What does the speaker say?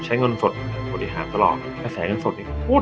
ใช้เงินสดอุดิหารตลอดแผ่นแสงเงินสด